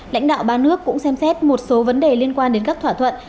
lãnh đạo ba nước cũng xem xét một số vấn đề liên quan đến các thỏa thuận